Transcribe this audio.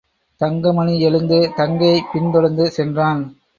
தங்கமணி எழுந்து தங்கையைப் பின்தொடர்ந்து சென்றான்.